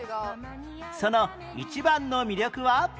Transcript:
その一番の魅力は